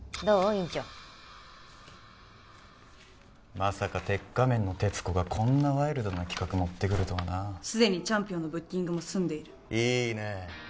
委員長まさか鉄仮面の鉄子がこんなワイルドな企画持ってくるとはなすでにチャンピオンのブッキングも済んでいるいいねえ